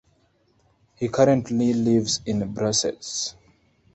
He currently lives in Brussels.